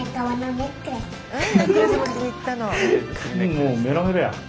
もうメロメロや！